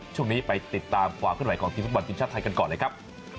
ช่วงนี้ไปติดตามความขึ้นไหวของทีมฟุตบอลทีมชาติไทยกันก่อนเลยครับ